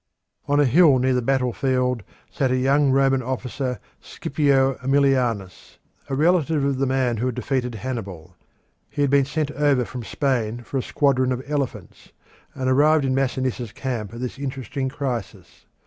On a hill near the battlefield sat a young Roman officer, Scipio Aemilianus, a relative of the man who had defeated Hannibal. He had been sent over from Spain for a squadron of elephants, and arrived in Masinissa's camp at this interesting crisis.